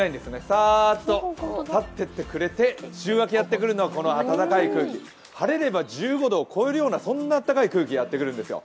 さーっと去っていってくれて週明けやってくるのはこの暖かい空気、晴れれば１５度を超えるような暖かい空気がやってくるんですよ。